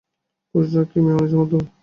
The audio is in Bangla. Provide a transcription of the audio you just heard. পুরুষেরা কি মেয়েমানুষের মতো?